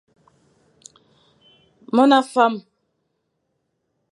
Mon a fam.